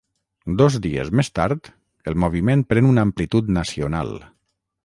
Dos dies més tard, el moviment pren una amplitud nacional.